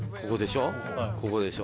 ここでしょ？